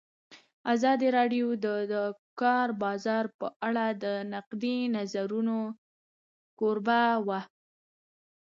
ازادي راډیو د د کار بازار په اړه د نقدي نظرونو کوربه وه.